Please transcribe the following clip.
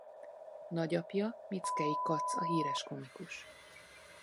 Nagyapja Mickey Katz a híres komikus.